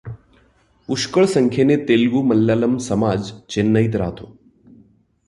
पुष्कळ संख्येने तेलगू मल्यालम समाज चेन्नईत राहतो.